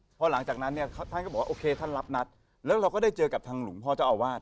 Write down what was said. พอหลังจากนั้นเนี่ยท่านก็บอกว่าโอเคท่านรับนัดแล้วเราก็ได้เจอกับทางหลวงพ่อเจ้าอาวาส